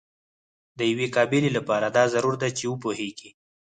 د یوې قابلې لپاره دا ضرور ده چې وپوهیږي.